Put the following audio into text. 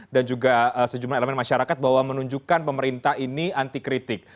dan juga sejumlah elemen masyarakat bahwa menunjukkan pemerintah ini anti kritik